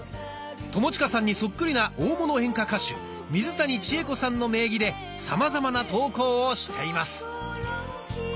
友近さんにそっくりな大物演歌歌手水谷千重子さんの名義でさまざまな投稿をしています。